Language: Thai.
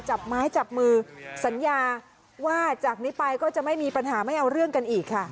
จับไม้จับมือสัญญาว่าจากนี้ไปก็จะไม่มีปัญหาไม่เอาเรื่องกันอีกค่ะ